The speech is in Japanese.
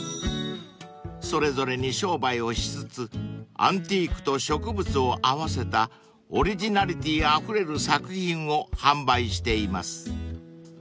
［それぞれに商売をしつつアンティークと植物を合わせたオリジナリティーあふれる作品を販売しています］